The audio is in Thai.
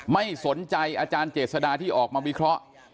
ไม่สนใจอาจารย์เจษดาที่ออกมาวิเคราะห์